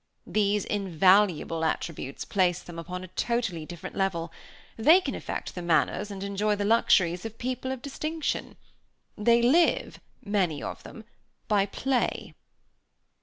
These invaluable attributes place them upon a totally different level. They can affect the manners and enjoy the luxuries of people of distinction. They live, many of them, by play."